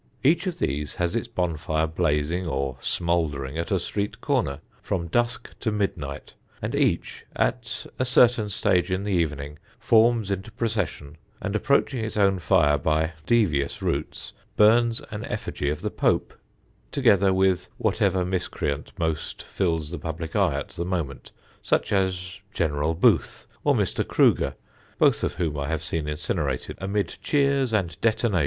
Each of these has its bonfire blazing or smouldering at a street corner, from dusk to midnight, and each, at a certain stage in the evening, forms into procession, and approaching its own fire by devious routes, burns an effigy of the Pope, together with whatever miscreant most fills the public eye at the moment such as General Booth or Mr. Kruger, both of whom I have seen incinerated amid cheers and detonations.